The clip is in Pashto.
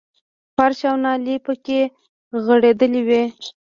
فرش او نالۍ پکې غړېدلې وې.